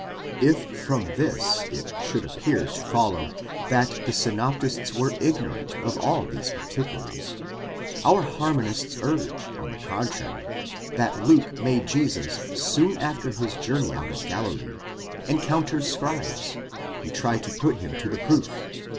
If from this it should appear to: follow that the synoptists were ignorant of aJl these particulars: our harmon ists urge, on the contrary, that Luke makes Jesus soon after his journey out of Galilee, encounter scribes, who try to put him to the proof (x.